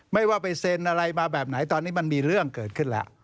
ไม่ว่าไปเซ็นอะไรมาแบบไหนตอนนี้มันมีเรื่องเกิดขึ้นแล้ว